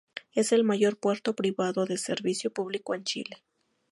Es el mayor puerto privado de servicio público en Chile.